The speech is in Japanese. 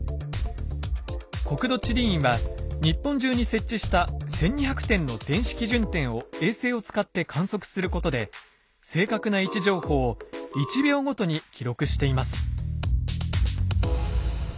国土地理院は日本中に設置した１，２００点の電子基準点を衛星を使って観測することで正確な位置情報を１秒ごとに記録しています。